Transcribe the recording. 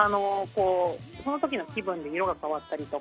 その時の気分で色が変わったりとか。